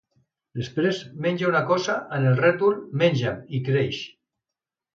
Després menja una cosa amb el rètol "Menja'm" i creix.